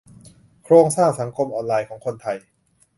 โครงข่ายสังคมออนไลน์ของคนไทย